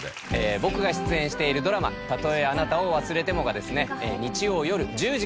僕が出演しているドラマ『たとえあなたを忘れても』が日曜よる１０時から放送中です。